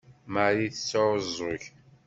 Marie ad tesɛuẓẓeg.